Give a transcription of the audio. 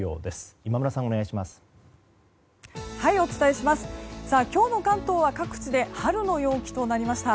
今日の関東は各地で春の陽気となりました。